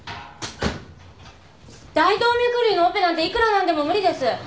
大動脈瘤のオペなんていくらなんでも無理です。